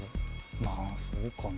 まあそうかな。